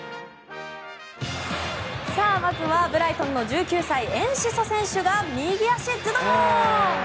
まずはブライトンの１９歳エンシソ選手が右足ズドーン！